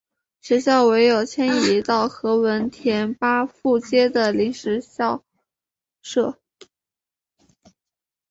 学校唯有迁移到何文田巴富街的临时校舍。